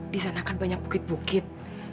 di sana kan banyak bukit bukit